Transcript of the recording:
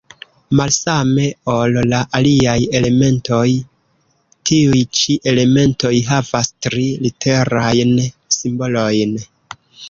Malsame ol la aliaj elementoj, tiuj ĉi elementoj havas tri-literajn simbolojn.